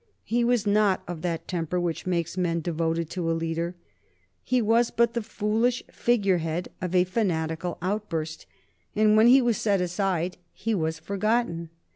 He was not of that temper which makes men devoted to a leader. He was but the foolish figurehead of a fanatical outburst, and when he was set aside he was forgotten.